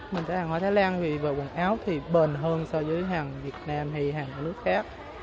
mình sẽ hàng hóa thái lan vì quần áo thì bền hơn so với hàng việt nam hay hàng nước khác